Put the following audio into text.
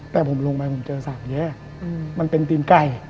แต่ผมลงไปเจอสารแยกมันเป็นตีนไก่